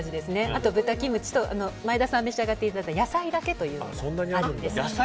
あと豚キムチと、前田さんに召し上がっていただいた野菜だけというのもあるんです。